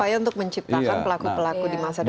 supaya untuk menciptakan pelaku pelaku di masa depannya